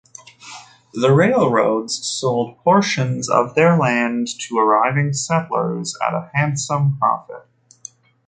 The railroads sold portions of their land to arriving settlers at a handsome profit.